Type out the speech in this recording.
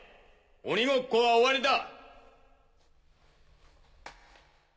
鬼ごっこは終わりだ！